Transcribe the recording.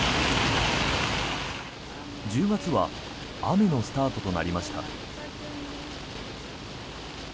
１０月は雨のスタートとなりました。